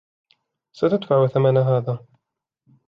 ستدفع ثمن هذا.